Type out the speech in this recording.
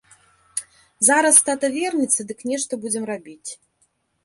Зараз тата вернецца, дык нешта будзем рабіць.